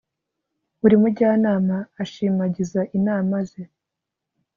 buri mujyanama ashimagiza inama ze